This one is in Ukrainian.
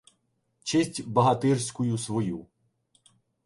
Честь багатирськую свою.